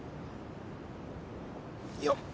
よっ！